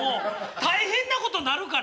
大変なことなるから。